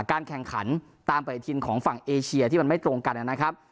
การแข่งขันตามปฏิทินของฝั่งเอเชียที่มันไม่ตรงกันนะครับ